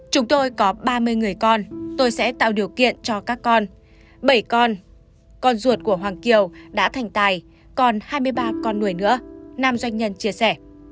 chúng tôi có ba mươi người con tôi sẽ tạo điều kiện cho các con bảy con con ruột của hoàng kiều đã thành tài còn hai mươi ba con người nữa năm doanh nhân chia sẻ